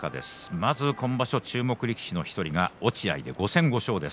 まず今場所注目力士の１人落合５戦５勝です。